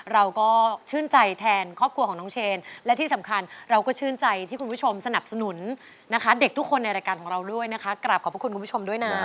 เราก็ชื่นใจแทนครอบครัวของน้องเชนและที่สำคัญเราก็ชื่นใจที่คุณผู้ชมสนับสนุนนะคะเด็กทุกคนในรายการของเราด้วยนะคะกราบขอบพระคุณคุณผู้ชมด้วยนะ